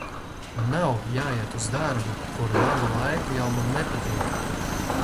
Nav jāiet uz darbu, kur labu laiku jau man nepatīk.